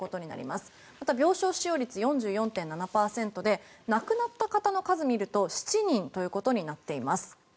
また、病床使用率は４４．７％で亡くなった方の数を見ると７人となっています。